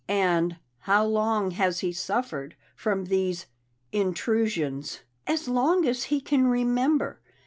"And how long has he suffered from these intrusions?" "As long as he can remember.